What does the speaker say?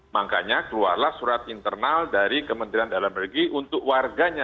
makanya keluarlah surat internal dari kementerian dalam negeri untuk warganya